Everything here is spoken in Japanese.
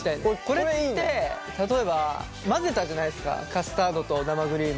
これって例えば混ぜたじゃないですかカスタードと生クリーム。